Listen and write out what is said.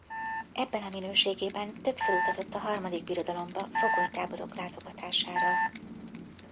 Ebben a minőségében többször utazott a Harmadik Birodalomba fogolytáborok látogatására.